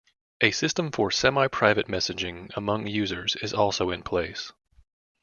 A system for semi-private messaging among users is also in place.